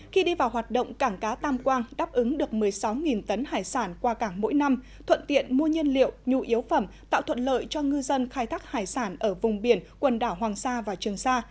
khi đi vào hoạt động cảng cá tam quang đáp ứng được một mươi sáu tấn hải sản qua cảng mỗi năm thuận tiện mua nhân liệu nhu yếu phẩm tạo thuận lợi cho ngư dân khai thác hải sản ở vùng biển quần đảo hoàng sa và trường sa